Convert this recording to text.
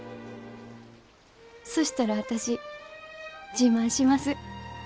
そしたら私自慢します。